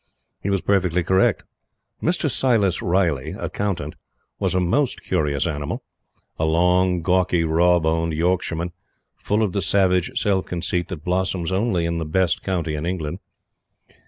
He was perfectly correct. Mr. Silas Riley, Accountant, was a MOST curious animal a long, gawky, rawboned Yorkshireman, full of the savage self conceit that blossom's only in the best county in England.